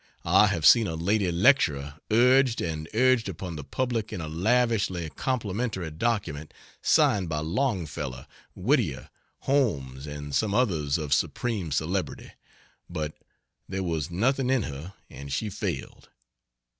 I have seen a lady lecturer urged and urged upon the public in a lavishly complimentary document signed by Longfellow, Whittier, Holmes and some others of supreme celebrity, but there was nothing in her and she failed.